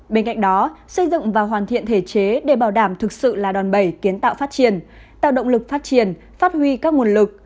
bên cạnh đó xây dựng và hoàn thiện thể chế để bảo đảm thực sự là đòn bẩy kiến tạo phát triển tạo động lực phát triển phát huy các nguồn lực